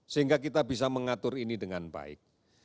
sehingga kita bisa mengatur ini dengan baik